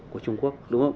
của trung quốc